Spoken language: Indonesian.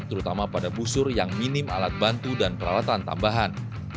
terutama pada busur yang minim alat bantu dan peralatan tambahan